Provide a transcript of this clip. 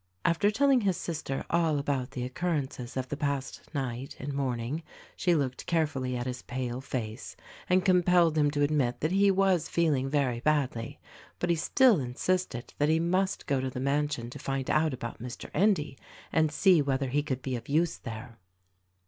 After telling his sister all about the occurrences of the past night and morning she looked carefully at his pale face and compelled him to admit that he was feeling very badly ; but he still insisted that he must go to the mansion to find out about Mr. Endy and see whether he could be of use there.